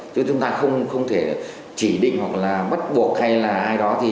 chứ chúng ta không thể chỉ định hoặc là bắt buộc hay là ai đó thì